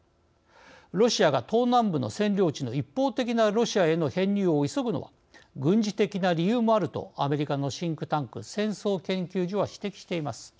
ロシアが東南部の占領地の一方的なロシアへの編入を急ぐのは軍事的な理由もあるとアメリカのシンクタンク戦争研究所は指摘しています。